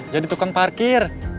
jadi tukang parkir